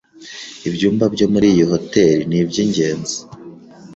Ibyumba byo muri iyi hoteri nibyingenzi.